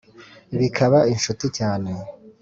bikaba inshuti cyane,